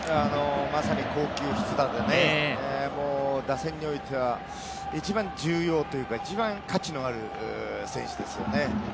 まさに好球必打でね、打線においては一番重要というか、一番価値のある選手ですよね。